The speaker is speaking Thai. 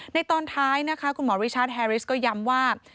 ในตอนท้ายคุณหมอวิชาร์ดแฮริสก็ยำว่า